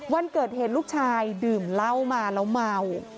วันเกิดเหตุลูกชายดื่มเหล้ามาแล้วเมา